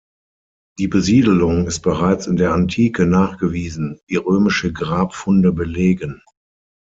Die Besiedelung ist bereits in der Antike nachgewiesen, wie römische Grabfunde belegen.